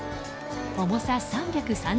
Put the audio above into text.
重さ３３０ｋｇ。